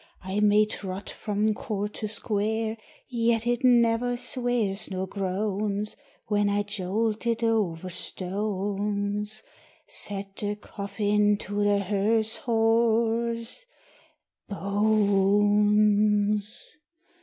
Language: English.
I may trot from court to square, Yet it neither swears nor groans, When I jolt it over stones." Said the coffin to the hearse horse, "Bones!"